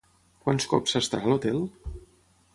Quants cops s'estarà a l'hotel?